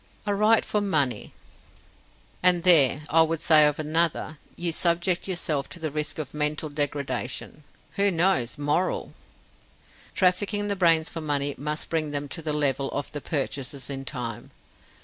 "I write for money." "And there I would say of another you subject yourself to the risk of mental degradation. Who knows? moral! Trafficking the brains for money must bring them to the level of the purchasers in time.